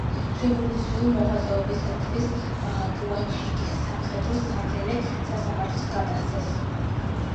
რევოლუციურ მოღვაწეობისათვის ბუაჩიძე სამხედრო-საველე სასამართლოს გადასცეს.